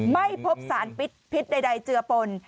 ไม่พบสารผิดใดเจือปล่น